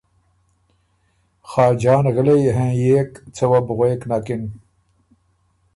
خاجان غِلئ هېںئېک څه وه بو غوېک نکِن